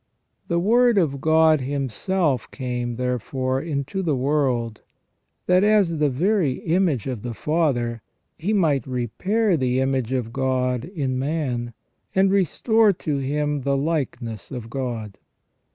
The Word of God Himself came, therefore, into the world, that, as the very image of the Father, He might repair the image of God in man, and restore to him the likeness of God.